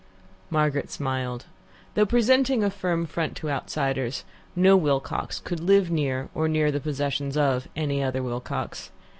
Margaret smiled. Though presenting a firm front to outsiders, no Wilcox could live near, or near the possessions of, any other Wilcox.